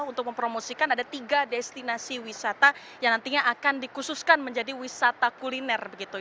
untuk mempromosikan ada tiga destinasi wisata yang nantinya akan dikhususkan menjadi wisata kuliner begitu